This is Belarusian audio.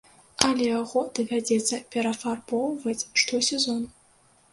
Але яго давядзецца перафарбоўваць штосезон.